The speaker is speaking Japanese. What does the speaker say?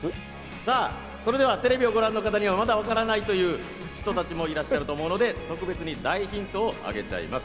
さぁ、テレビをご覧の方にまだわからないという方もいらっしゃると思うので特別に大ヒントをあげちゃいます。